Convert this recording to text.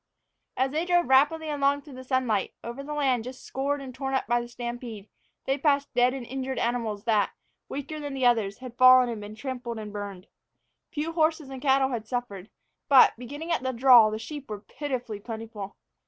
As they drove rapidly along through the sunlight, over the land just scored and torn up by the stampede, they passed dead and injured animals that, weaker than the others, had fallen and been trampled and burned. Few horses and cattle had suffered, but, beginning at the draw, the sheep were pitifully plentiful.